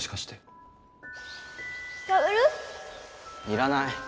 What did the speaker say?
要らない。